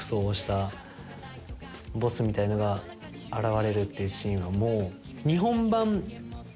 みたいなのが現れるっていうシーンはもう。